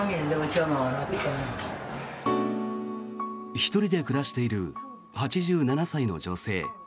１人で暮らしている８７歳の女性。